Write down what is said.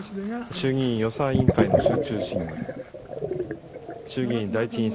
衆議院予算委員の集中審議委員会。